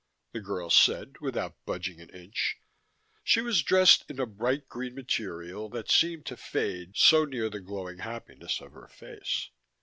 the girl said, without budging an inch. She was dressed in a bright green material that seemed to fade so near the glowing happiness of her face.